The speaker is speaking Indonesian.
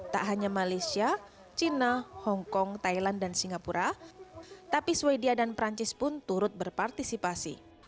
tak hanya malaysia china hongkong thailand dan singapura tapi sweden dan perancis pun turut berpartisipasi